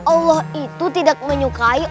allah itu tidak menyukai